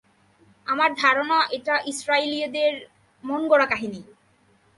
আমার ধারণা, এটা ইসরাঈলীদের মনগড়া কাহিনী।